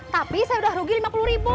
tapi saya udah rugi lima puluh ribu